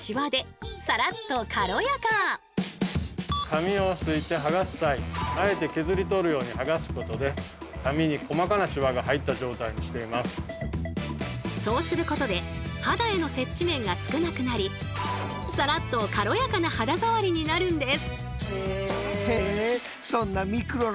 紙をすいて剥がす際そうすることで肌への接地面が少なくなりサラッと軽やかな肌触りになるんです。